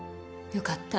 よかった。